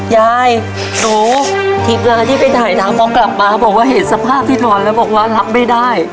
ยายหนูทีมเวลาที่ไปถ่ายน้ำมองกลับมาเขาบอกว่าเห็นสภาพที่นอนแล้วบอกว่ารับไม่ได้